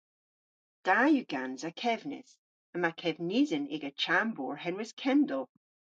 Da yw gansa kevnis. Yma kevnisen y'ga chambour henwys Kendal.